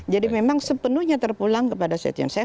jadi memang sepenuhnya terpulang kepada setia novanto